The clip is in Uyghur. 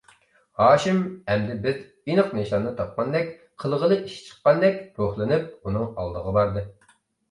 ھاشىم ئەمدى بىر ئېنىق نىشاننى تاپقاندەك، قىلغىلى ئىش چىققاندەك روھلىنىپ، ئۇنىڭ ئالدىغا باردى.